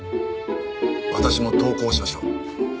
私も同行しましょう。